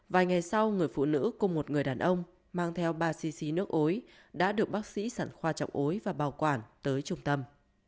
vài ngày sau người phụ nữ cùng một người đàn ông mang theo ba cc nước ối đã được bác sĩ sản khoa trọng ối và bảo quản tới trung tâm